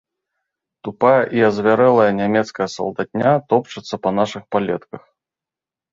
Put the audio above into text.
Тупая і азвярэлая нямецкая салдатня топчацца па нашых палетках.